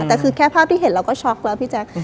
แต่คือแค่ภาพที่เห็นเราก็ช็อกแล้วพี่แจ๊ค